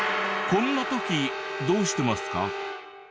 こんな時どうしてますか？